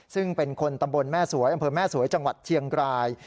ซึ่งเป็นคนตำบลแม่สวยอำเภอแม่สวยจังหวัดเชียงราย